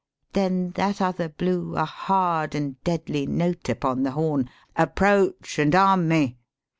Then that other blew A hard and deadly note upon the horn. 'Approach and arm me!'